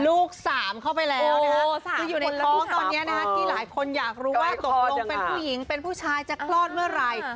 ลูกสามเข้าไปแล้วนะคะที่อยู่บนท้องตอนนี้ที่หลายคนอยากรู้ว่าตกลงเป็นผู้หญิงเป็นผู้ชายจะคลอดเมื่อไหร่